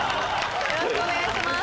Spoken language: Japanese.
よろしくお願いします。